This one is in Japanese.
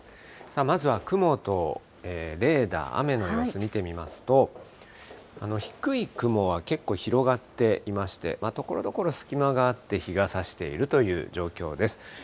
まずは雲とレーダー、雨の様子見てみますと、低い雲は結構広がっていまして、ところどころ隙間があって、日がさしているという状況です。